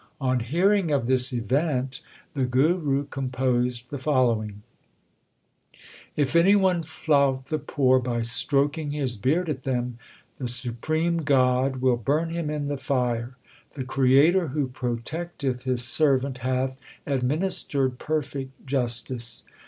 On hearing of this event the Guru composed the following : If any one flout the poor by stroking his beard at them, The supreme God will burn him in the fire. The Creator who protecteth His servant Hath administered perfect justice.